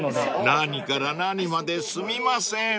［何から何まですみません］